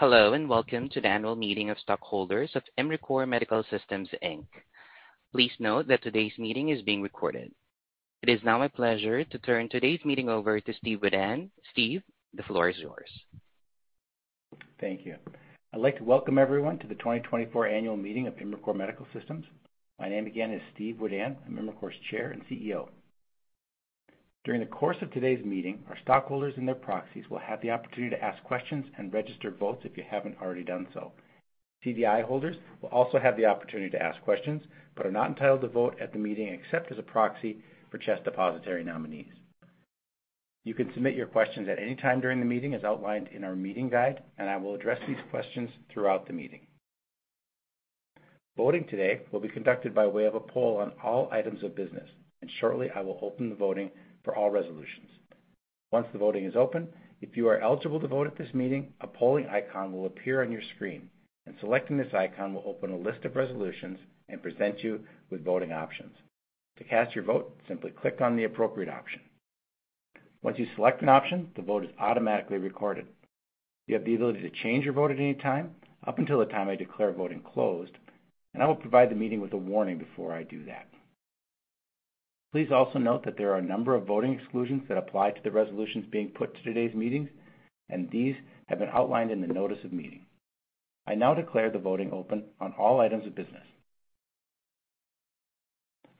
Hello and welcome to the annual meeting of stockholders of Imricor Medical Systems, Inc. Please note that today's meeting is being recorded. It is now my pleasure to turn today's meeting over to Steve Wedan. Steve, the floor is yours. Thank you. I'd like to welcome everyone to the 2024 annual meeting of Imricor Medical Systems. My name again is Steve Wedan. I'm Imricor's Chair and CEO. During the course of today's meeting, our stockholders and their proxies will have the opportunity to ask questions and register votes if you haven't already done so. CDI holders will also have the opportunity to ask questions but are not entitled to vote at the meeting except as a proxy for CHESS Depositary Nominees. You can submit your questions at any time during the meeting as outlined in our meeting guide, and I will address these questions throughout the meeting. Voting today will be conducted by way of a poll on all items of business, and shortly I will open the voting for all resolutions. Once the voting is open, if you are eligible to vote at this meeting, a polling icon will appear on your screen, and selecting this icon will open a list of resolutions and present you with voting options. To cast your vote, simply click on the appropriate option. Once you select an option, the vote is automatically recorded. You have the ability to change your vote at any time, up until the time I declare voting closed, and I will provide the meeting with a warning before I do that. Please also note that there are a number of voting exclusions that apply to the resolutions being put to today's meetings, and these have been outlined in the notice of meeting. I now declare the voting open on all items of business.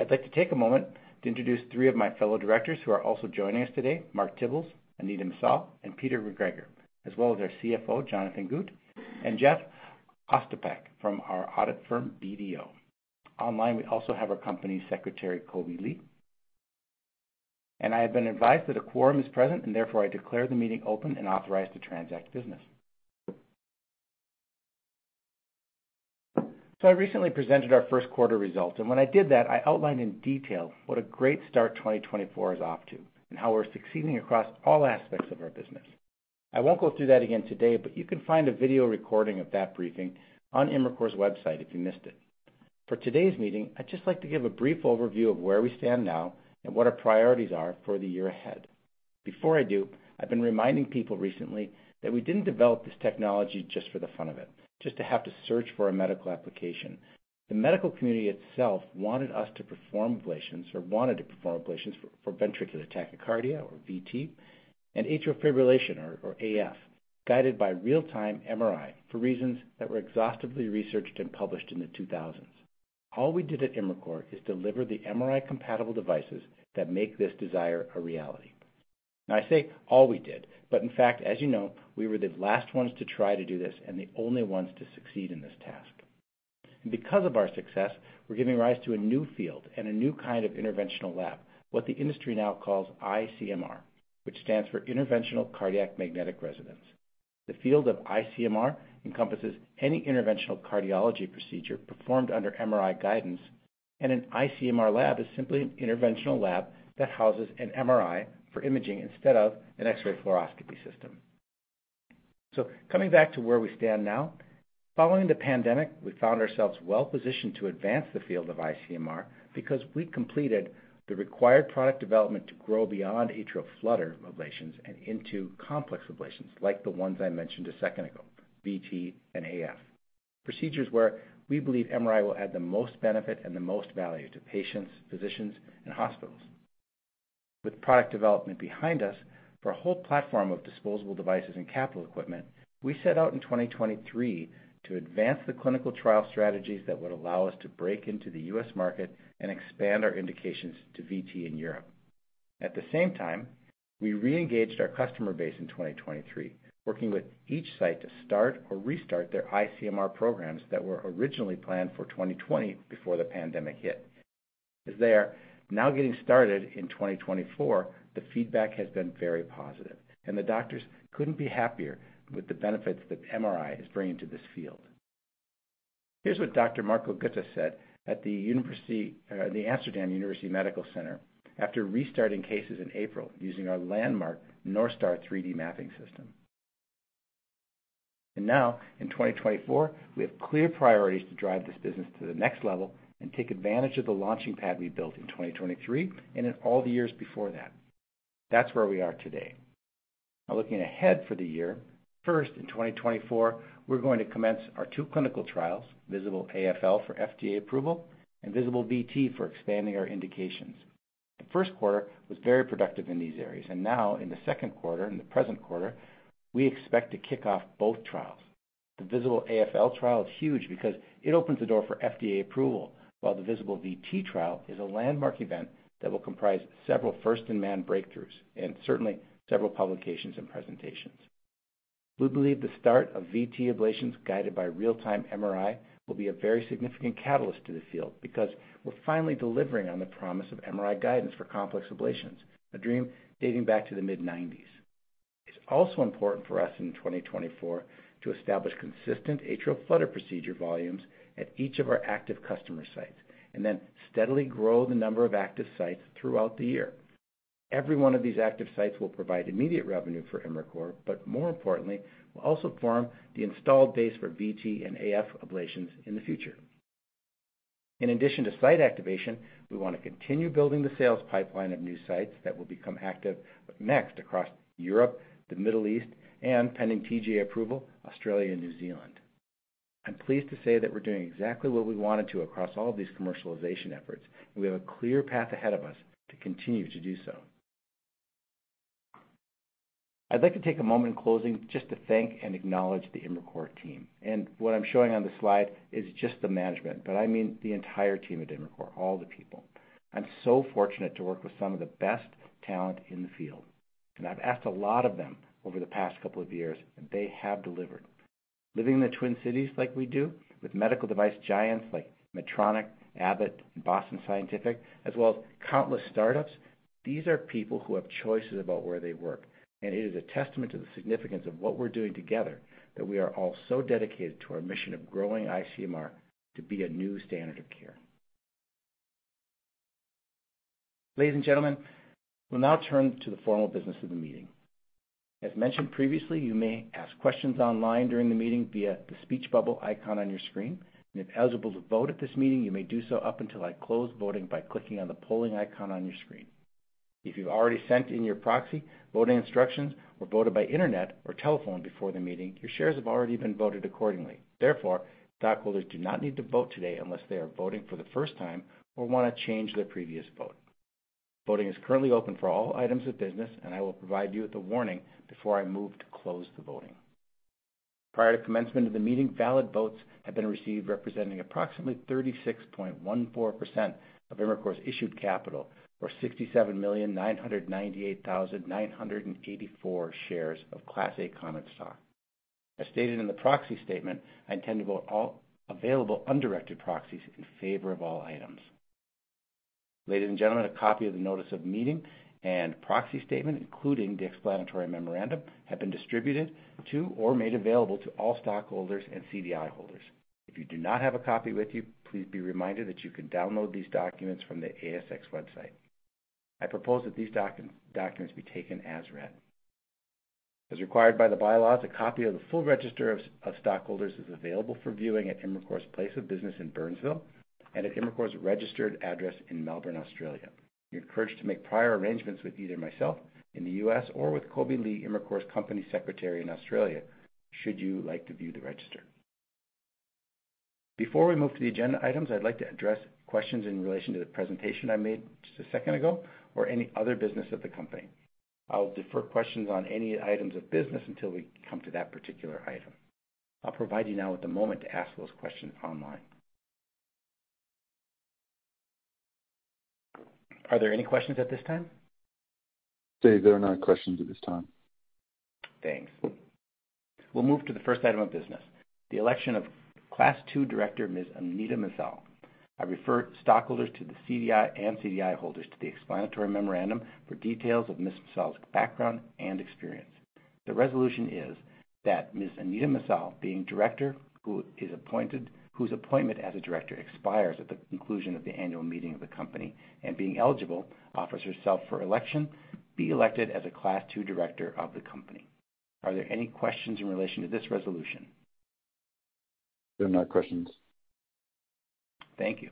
I'd like to take a moment to introduce three of my fellow directors who are also joining us today: Mark Tibbles, Anita Messal, and Peter McGregor, as well as our CFO, Jonathon Gut, and Jeff Ostapek from our audit firm, BDO. Online, we also have our company's secretary, Kobe Li. And I have been advised that a quorum is present, and therefore I declare the meeting open and authorize to transact business. So I recently presented our first quarter results, and when I did that, I outlined in detail what a great start 2024 is off to and how we're succeeding across all aspects of our business. I won't go through that again today, but you can find a video recording of that briefing on Imricor's website if you missed it. For today's meeting, I'd just like to give a brief overview of where we stand now and what our priorities are for the year ahead. Before I do, I've been reminding people recently that we didn't develop this technology just for the fun of it, just to have to search for a medical application. The medical community itself wanted us to perform ablations, or wanted to perform ablations, for ventricular tachycardia, or VT, and atrial fibrillation, or AF, guided by real-time MRI for reasons that were exhaustively researched and published in the 2000s. All we did at Imricor is deliver the MRI-compatible devices that make this desire a reality. Now, I say all we did, but in fact, as you know, we were the last ones to try to do this and the only ones to succeed in this task. Because of our success, we're giving rise to a new field and a new kind of interventional lab, what the industry now calls ICMR, which stands for Interventional Cardiac Magnetic Resonance. The field of ICMR encompasses any interventional cardiology procedure performed under MRI guidance, and an ICMR lab is simply an interventional lab that houses an MRI for imaging instead of an X-ray fluoroscopy system. Coming back to where we stand now, following the pandemic, we found ourselves well positioned to advance the field of ICMR because we completed the required product development to grow beyond atrial flutter ablations and into complex ablations like the ones I mentioned a second ago, VT and AF, procedures where we believe MRI will add the most benefit and the most value to patients, physicians, and hospitals. With product development behind us for a whole platform of disposable devices and capital equipment, we set out in 2023 to advance the clinical trial strategies that would allow us to break into the U.S. market and expand our indications to VT in Europe. At the same time, we reengaged our customer base in 2023, working with each site to start or restart their ICMR programs that were originally planned for 2020 before the pandemic hit. As they are now getting started in 2024, the feedback has been very positive, and the doctors couldn't be happier with the benefits that MRI is bringing to this field. Here's what Dr. Marco Götte said at the Amsterdam University Medical Center after restarting cases in April using our landmark NorthStar 3D Mapping System. Now, in 2024, we have clear priorities to drive this business to the next level and take advantage of the launching pad we built in 2023 and in all the years before that. That's where we are today. Now, looking ahead for the year, first, in 2024, we're going to commence our two clinical trials, VISABL-AFL for FDA approval and VISABL-VT for expanding our indications. The first quarter was very productive in these areas, and now, in the second quarter, in the present quarter, we expect to kick off both trials. The VISABL-AFL trial is huge because it opens the door for FDA approval, while the VISABL-VT trial is a landmark event that will comprise several first-in-man breakthroughs and certainly several publications and presentations. We believe the start of VT ablations guided by real-time MRI will be a very significant catalyst to the field because we're finally delivering on the promise of MRI guidance for complex ablations, a dream dating back to the mid-1990s. It's also important for us in 2024 to establish consistent atrial flutter procedure volumes at each of our active customer sites and then steadily grow the number of active sites throughout the year. Every one of these active sites will provide immediate revenue for Imricor, but more importantly, will also form the installed base for VT and AF ablations in the future. In addition to site activation, we want to continue building the sales pipeline of new sites that will become active next across Europe, the Middle East, and pending TGA approval, Australia and New Zealand. I'm pleased to say that we're doing exactly what we wanted to across all of these commercialization efforts, and we have a clear path ahead of us to continue to do so. I'd like to take a moment in closing just to thank and acknowledge the Imricor team. What I'm showing on the slide is just the management, but I mean the entire team at Imricor, all the people. I'm so fortunate to work with some of the best talent in the field, and I've asked a lot of them over the past couple of years, and they have delivered. Living in the Twin Cities like we do, with medical device giants like Medtronic, Abbott, and Boston Scientific, as well as countless startups, these are people who have choices about where they work, and it is a testament to the significance of what we're doing together that we are all so dedicated to our mission of growing ICMR to be a new standard of care. Ladies and gentlemen, we'll now turn to the formal business of the meeting. As mentioned previously, you may ask questions online during the meeting via the speech bubble icon on your screen, and if eligible to vote at this meeting, you may do so up until I close voting by clicking on the polling icon on your screen. If you've already sent in your proxy voting instructions or voted by internet or telephone before the meeting, your shares have already been voted accordingly. Therefore, stockholders do not need to vote today unless they are voting for the first time or want to change their previous vote. Voting is currently open for all items of business, and I will provide you with a warning before I move to close the voting. Prior to commencement of the meeting, valid votes have been received representing approximately 36.14% of Imricor's issued capital, or 67,998,984 shares of Class A common stock. As stated in the proxy statement, I intend to vote all available undirected proxies in favor of all items. Ladies and gentlemen, a copy of the notice of meeting and proxy statement, including the explanatory memorandum, have been distributed to or made available to all stockholders and CDI holders. If you do not have a copy with you, please be reminded that you can download these documents from the ASX website. I propose that these documents be taken as read. As required by the bylaws, a copy of the full register of stockholders is available for viewing at Imricor's place of business in Burnsville and at Imricor's registered address in Melbourne, Australia. You're encouraged to make prior arrangements with either myself in the U.S. or with Kobe Li, Imricor's company secretary in Australia, should you like to view the register. Before we move to the agenda items, I'd like to address questions in relation to the presentation I made just a second ago or any other business of the company. I'll defer questions on any items of business until we come to that particular item. I'll provide you now with a moment to ask those questions online. Are there any questions at this time? Steve, there are no questions at this time. Thanks. We'll move to the first item of business, the election of Class II director, Ms. Anita Messal. I refer stockholders to the CDI and CDI holders to the explanatory memorandum for details of Ms. Messal's background and experience. The resolution is that Ms. Anita Messal, being director, whose appointment as a director expires at the conclusion of the annual meeting of the company, and being eligible, offers herself for election, be elected as a Class II director of the company. Are there any questions in relation to this resolution? There are no questions. Thank you.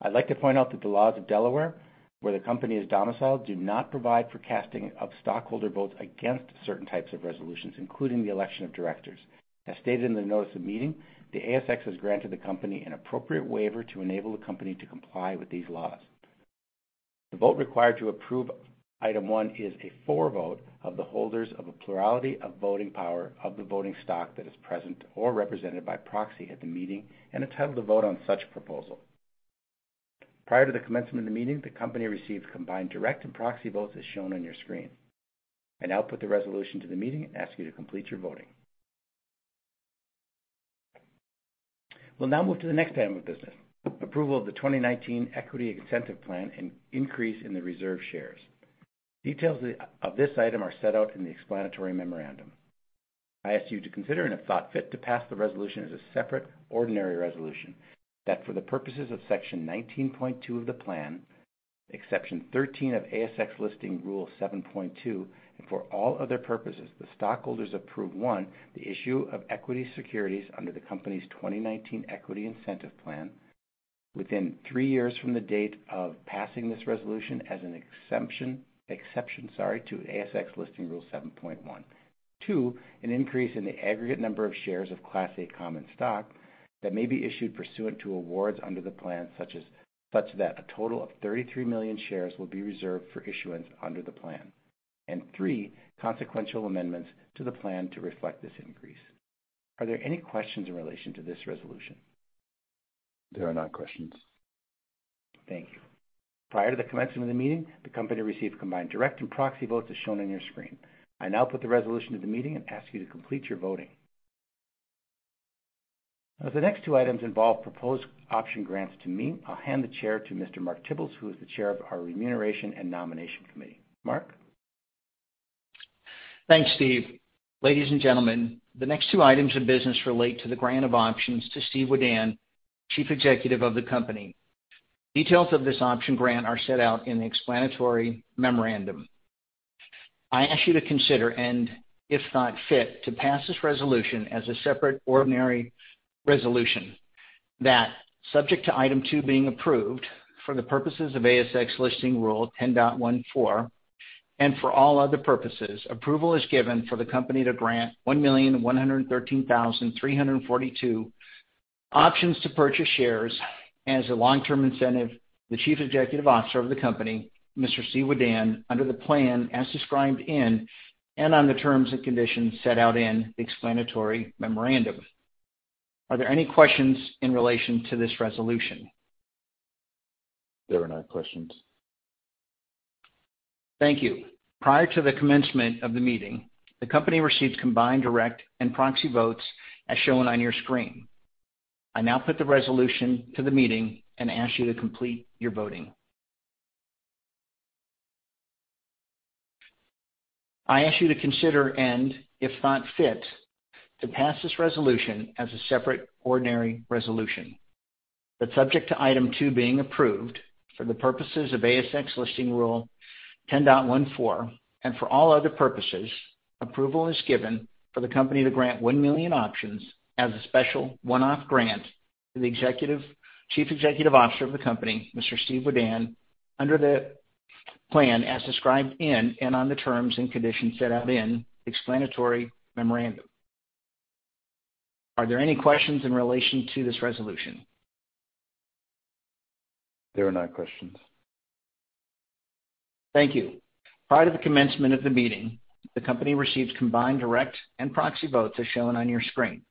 I'd like to point out that the laws of Delaware, where the company is domiciled, do not provide for casting of stockholder votes against certain types of resolutions, including the election of directors. As stated in the notice of meeting, the ASX has granted the company an appropriate waiver to enable the company to comply with these laws. The vote required to approve item one is the affirmative vote of the holders of a plurality of voting power of the voting stock that is present or represented by proxy at the meeting and entitled to vote on such proposal. Prior to the commencement of the meeting, the company received combined direct and proxy votes as shown on your screen. I now put the resolution to the meeting and ask you to complete your voting. We'll now move to the next item of business, approval of the 2019 Equity Incentive Plan and increase in the reserve shares. Details of this item are set out in the explanatory memorandum. I ask you to consider it a thought fit to pass the resolution as a separate ordinary resolution that, for the purposes of Section 19.2 of the plan, Exception 13 of ASX Listing Rule 7.2, and for all other purposes, the stockholders approve: one, the issue of equity securities under the company's 2019 Equity Incentive Plan within three years from the date of passing this resolution as an exception to ASX Listing Rule 7.1; two, an increase in the aggregate number of shares of Class A common stock that may be issued pursuant to awards under the plan, such that a total of 33 million shares will be reserved for issuance under the plan; and three, consequential amendments to the plan to reflect this increase. Are there any questions in relation to this resolution? There are not questions. Thank you. Prior to the commencement of the meeting, the company received combined direct and proxy votes as shown on your screen. I now put the resolution to the meeting and ask you to complete your voting. Now, as the next two items involve proposed option grants to me, I'll hand the chair to Mr. Mark Tibbles, who is the Chair of our Remuneration and Nomination Committee. Mark? Thanks, Steve. Ladies and gentlemen, the next two items of business relate to the grant of options to Steve Wedan, Chief Executive of the company. Details of this option grant are set out in the explanatory memorandum. I ask you to consider and, if thought fit, to pass this resolution as a separate ordinary resolution that, subject to item two being approved for the purposes of ASX Listing Rule 10.14 and for all other purposes, approval is given for the company to grant 1,113,342 options to purchase shares as a long-term incentive to the Chief Executive Officer of the company, Mr. Steve Wedan, under the plan as described in and on the terms and conditions set out in the explanatory memorandum. Are there any questions in relation to this resolution? There are not questions. Thank you. Prior to the commencement of the meeting, the company received combined direct and proxy votes as shown on your screen. I now put the resolution to the meeting and ask you to complete your voting. I ask you to consider and, if thought fit, to pass this resolution as a separate ordinary resolution that, subject to item two being approved for the purposes of ASX Listing Rule 10.14 and for all other purposes, approval is given for the company to grant 1 million options as a special one-off grant to the Chief Executive Officer of the company, Mr. Steve Wedan, under the plan as described in and on the terms and conditions set out in the explanatory memorandum. Are there any questions in relation to this resolution? There are not questions. Thank you. Prior to the commencement of the meeting, the company received combined direct and proxy votes as shown on your screen.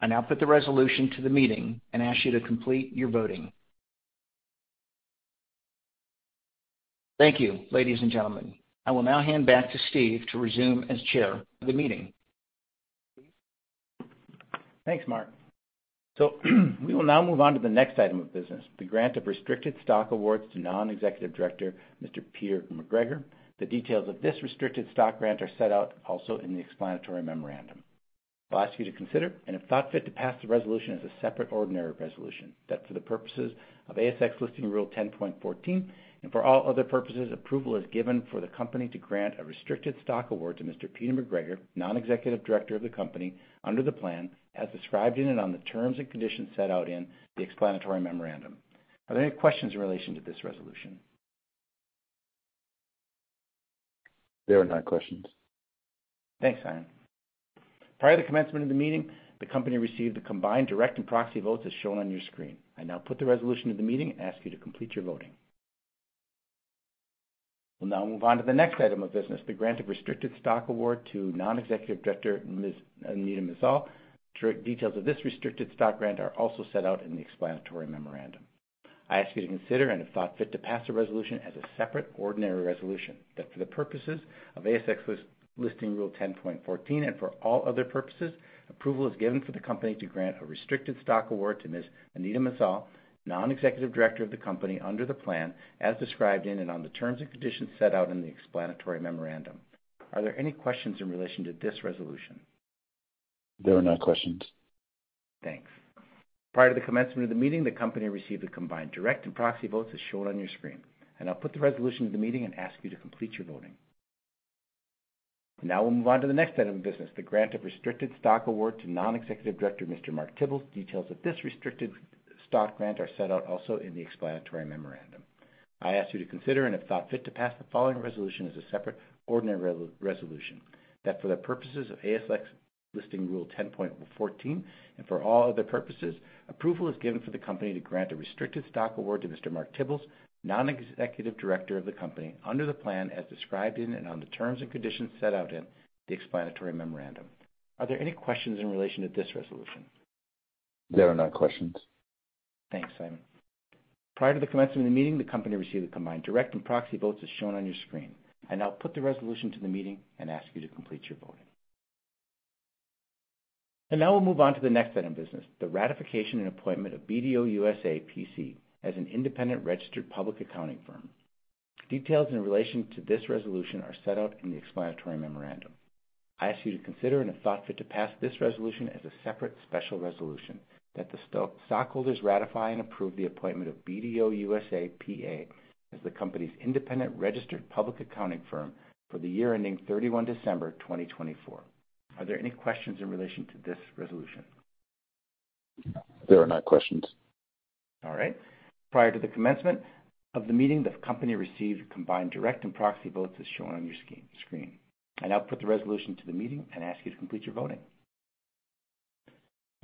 I now put the resolution to the meeting and ask you to complete your voting. Thank you, ladies and gentlemen. I will now hand back to Steve to resume as chair of the meeting. Thanks, Mark. under the plan as described in and on the terms and conditions set out in the explanatory memorandum. Are there any questions in relation to this resolution? There are no questions. Thanks, Ian. Prior to the commencement of the meeting, the company received the combined direct and proxy votes as shown on your screen. I now put the resolution to the meeting and ask you to complete your voting. Now we'll move on to the next item of business, the ratification and appointment of BDO USA, P.C. as an independent registered public accounting firm. Details in relation to this resolution are set out in the explanatory memorandum. I ask you to consider and, if thought fit, to pass this resolution as a separate special resolution that the stockholders ratify and approve the appointment of BDO USA, P.C. as the company's independent registered public accounting firm for the year ending 31 December 2024. Are there any questions in relation to this resolution? There are no questions. All right. Prior to the commencement of the meeting, the company received combined direct and proxy votes as shown on your screen. I now put the resolution to the meeting and ask you to complete your voting.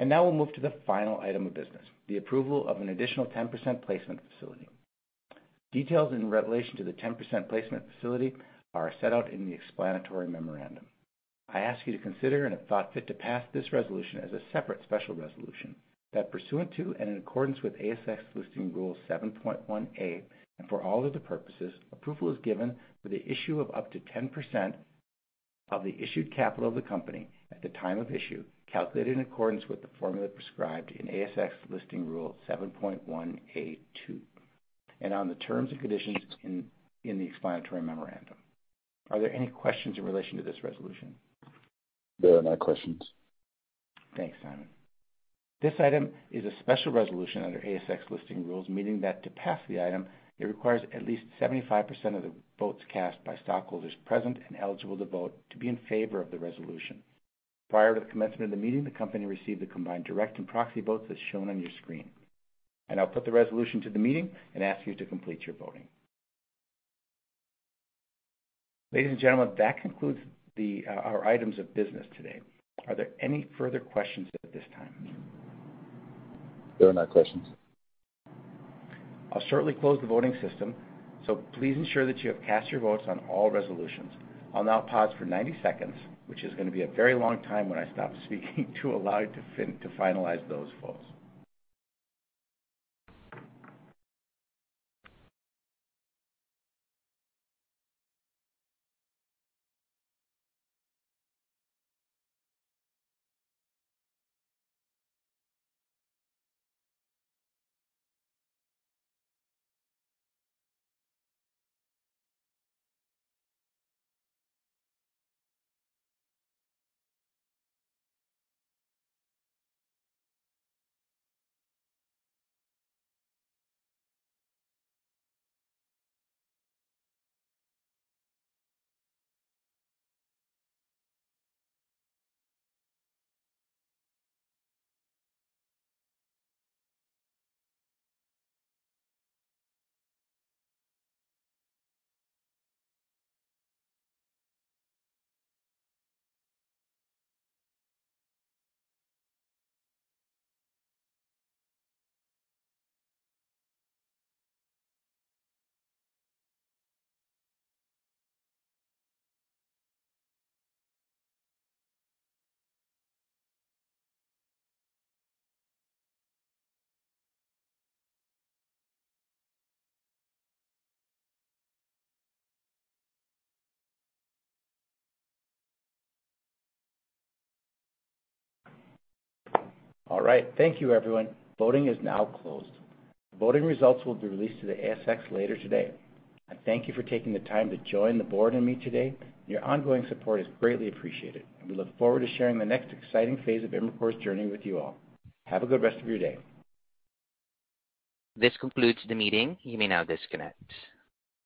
Now we'll move to the final item of business, the approval of an additional 10% placement facility. Details in relation to the 10% placement facility are set out in the explanatory memorandum. I ask you to consider and, if thought fit, to pass this resolution as a separate special resolution that, pursuant to and in accordance with ASX Listing Rule 7.1A and for all other purposes, approval is given for the issue of up to 10% of the issued capital of the company at the time of issue, calculated in accordance with the formula prescribed in ASX Listing Rule 7.1A2 and on the terms and conditions in the explanatory memorandum. Are there any questions in relation to this resolution? There are no questions. Thanks, Ian. This item is a special resolution under ASX Listing Rules, meaning that to pass the item, it requires at least 75% of the votes cast by stockholders present and eligible to vote to be in favor of the resolution. Prior to the commencement of the meeting, the company received the combined direct and proxy votes as shown on your screen. I now put the resolution to the meeting and ask you to complete your voting. Ladies and gentlemen, that concludes our items of business today. Are there any further questions at this time? There are not questions. I'll shortly close the voting system, so please ensure that you have cast your votes on all resolutions. I'll now pause for 90 seconds, which is going to be a very long time when I stop speaking to allow you to finalize those votes. All right. Thank you, everyone. Voting is now closed. The voting results will be released to the ASX later today. I thank you for taking the time to join the board and meet today. Your ongoing support is greatly appreciated, and we look forward to sharing the next exciting phase of Imricor's journey with you all. Have a good rest of your day. This concludes the meeting. You may now disconnect.